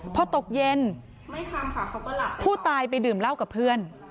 พอตกเย็นผู้ตายไปดื่มเหล้ากับเพื่อน